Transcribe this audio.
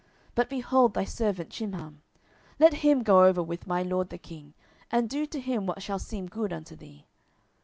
But behold thy servant Chimham; let him go over with my lord the king; and do to him what shall seem good unto thee.